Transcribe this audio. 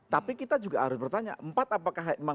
tapi kita juga harus bertanya empat apakah memang